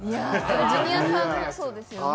ジュニアさんもそうですよね